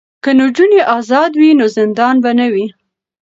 که نجونې ازادې وي نو زندان به نه وي.